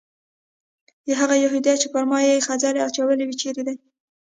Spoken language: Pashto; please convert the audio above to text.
هغه یهودي چې پر ما یې خځلې اچولې چېرته دی؟